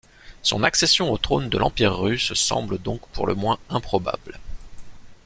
Son accession au trône de l'Empire russe semble donc pour le moins improbable.